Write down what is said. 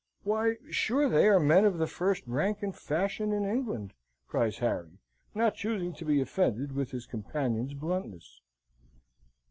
"Why, sure, they are men of the first rank and fashion in England," cries Harry, not choosing to be offended with his companion's bluntness.